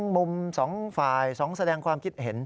มุม๒ฝ่าย๒แสดงความคิดเห็น